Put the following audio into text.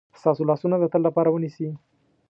ستاسو لاسونه د تل لپاره ونیسي.